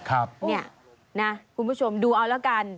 ครับนี่นะคุณผู้ชมดูเอาแล้วกัน